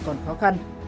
còn khó khăn